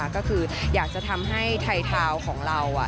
ก็คืออยากจะทำให้ไทยทาวน์ของเรา